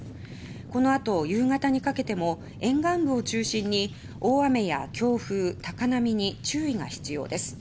このあと夕方にかけても沿岸部を中心に大雨や強風高波に注意が必要です。